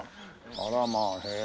あらまあへえ。